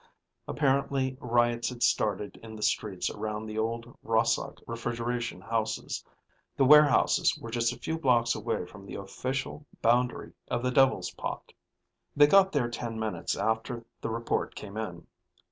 Apparently riots had started in the streets around the old Rahsok Refrigeration Houses. The warehouses were just a few blocks away from the official boundary of the Devil's Pot. They got there ten minutes after the report came in.